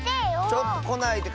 ちょっとこないで。